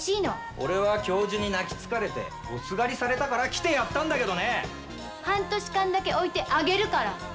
俺は教授に泣きつかれておすがりされたから半年間だけ置いてあげるから！